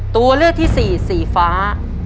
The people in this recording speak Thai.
ตัวเลือกที่สี่สีฟ้า